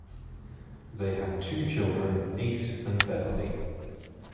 They had two children, Ace and Beverly.